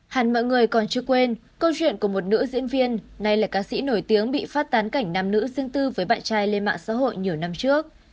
hẳn mọi người còn chưa quên câu chuyện của một nữ diễn viên nay là ca sĩ nổi tiếng bị phát tán cảnh nam nữ riêng tư với bại trai lên mạng xã hội nhiều năm trước